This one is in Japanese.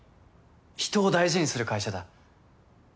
人を大事にする会社だ。